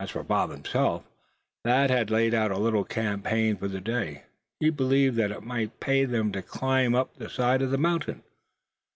As for Bob and himself, Thad had laid out a little campaign for the day. He believed that it might pay them to climb up the side of the mountain.